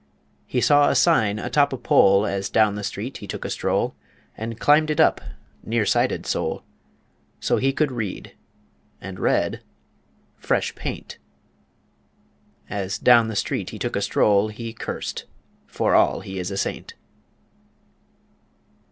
He saw a sign atop a pole, As down the street he took a stroll, And climbed it up (near sighted soul), So he could read and read "FRESH PAINT," ... As down the street he took a stroll, He cursed, for all he is a saint.